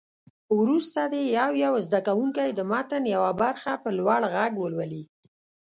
وروسته دې یو یو زده کوونکی د متن یوه برخه په لوړ غږ ولولي.